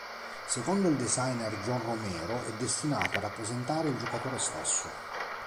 Secondo il designer John Romero, è destinato a rappresentare "il giocatore stesso".